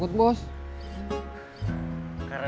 yang diperbukakan adalah penyelidikan yang diperlukan adalah